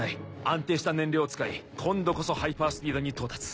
安定した燃料を使い今度こそハイパー・スピードに到達。